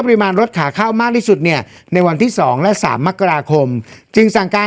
รถขาเข้ามากที่สุดเนี่ยในวันที่๒และ๓มกราคมจึงสั่งการ